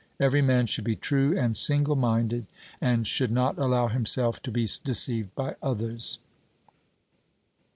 Every man should be true and single minded, and should not allow himself to be deceived by others.